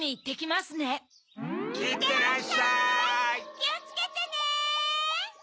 きをつけてね！